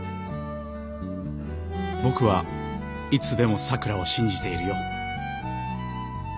僕はいつでもさくらを信じているよ」。